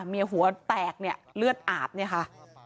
หัวแตกเนี่ยเลือดอาบเนี่ยค่ะ